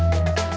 saya juga ngantuk